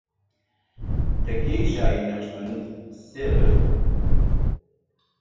تەکیەی شاهی نەقشبەند سێ بەش بووە